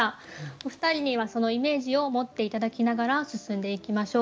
お二人にはそのイメージを持って頂きながら進んでいきましょう。